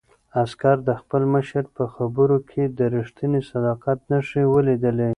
عسکر د خپل مشر په خبرو کې د رښتیني صداقت نښې ولیدلې.